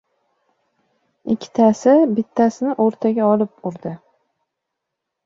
Ikkitasi bittasini o‘rtaga olib urdi.